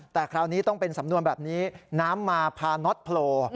แต่คราวนี้ต้องเป็นสำนวนแบบนี้น้ำมาพาน็อตโผล่